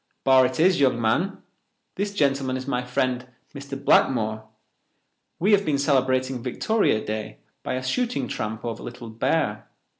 "Barr it is, young man. This gentleman is my friend, Mr. Blackmore. We have been celebrating Victoria Day by a shooting tramp over Little Bear.